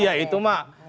ya itu pak